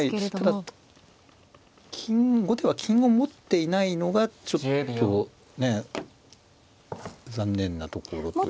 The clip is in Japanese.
ただ後手は金を持っていないのがちょっと残念なところというか。